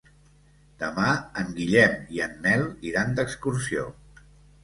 Demà en Guillem i en Nel iran d'excursió.